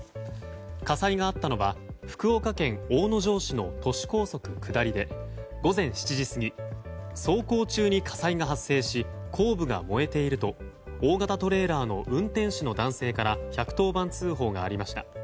火災があったのは福岡県大野城市の都市高速下りで午前７時過ぎ走行中に火災が発生し後部が燃えていると大型トレーラーの運転手の男性から１１０番通報がありました。